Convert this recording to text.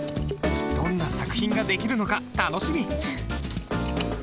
どんな作品が出来るのか楽しみ。